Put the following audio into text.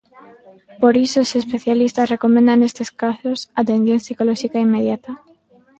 Por iso os especialistas recomendan, nestes casos, atención psicolóxica inmediata.